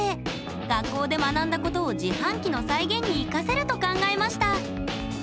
学校で学んだことを自販機の再現に生かせると考えました。